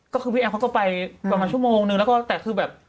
ก็คือพี่แอฟเขาก็ไปประมาณชั่วโมงนึงแล้วก็แต่คือแบบ